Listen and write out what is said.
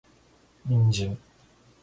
人参